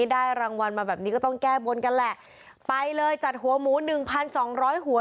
ได้รางวัลมาแบบนี้ก็ต้องแก้บนกันแหละไปเลยจัดหัวหมูหนึ่งพันสองร้อยหัว